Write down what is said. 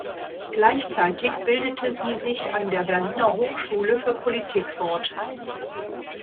Gleichzeitig bildete sie sich an der Berliner Hochschule für Politik fort.